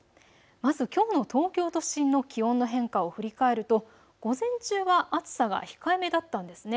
まずきょうの東京都心の気温の変化を振り返ると午前中は暑さが控えめだったんですね。